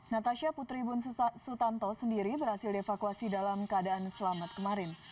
natasha putri bun sutanto sendiri berhasil dievakuasi dalam keadaan selamat kemarin